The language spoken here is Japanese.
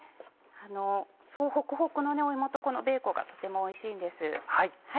ホクホクの芋とこのベーコンがとてもおいしいんです。